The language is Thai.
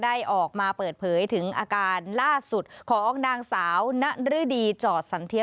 ได้ออกมาเปิดเผยถึงอาการล่าสุดของนางสาวนฤดีจอดสันเทีย